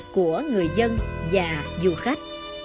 của người dân và du khách